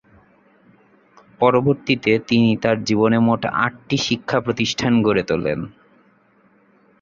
পরবর্তিতে তিনি তার জীবনে মোট আট টি শিক্ষা প্রতিষ্ঠান গড়ে তোলেন।